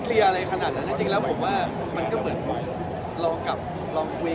ครับควรพบร่องตัวด้วยด้วย